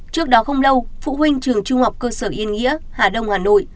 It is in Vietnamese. trước đó không lâu phụ huynh trường trung học cơ sở yên nghĩa hà đông hà nội